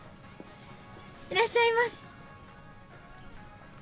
いらっしゃいま